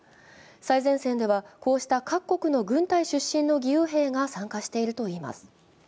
最前線ではこうした各国の軍隊出身の義勇兵が参加しているといいます。